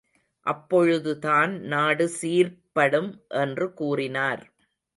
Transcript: அப்பொழுதுதான் நாடு சீர்ப்படும் என்று கூறினார்.